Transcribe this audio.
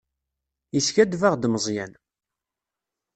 Yeskaddeb-aɣ-d Meẓyan.